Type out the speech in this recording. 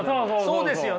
そうですよね。